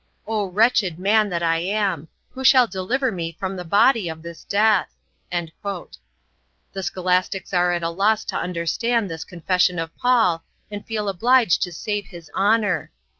O wretched man that I am! who shall deliver me from the body of this death?" The scholastics are at a loss to understand this confession of Paul and feel obliged to save his honor.